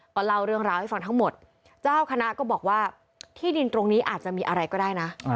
ก็เล่าเรื่องราวให้ฟังทั้งหมดเจ้าคณะก็บอกว่าที่ดินตรงนี้อาจจะมีอะไรก็ได้นะ